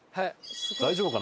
大丈夫かな？